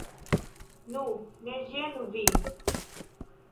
Nu, ne ĝenu vin!